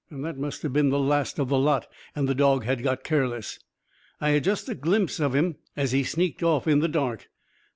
That must have been the last of the lot; and the dog had got careless. I had just a glimpse of him as he sneaked off in the dark.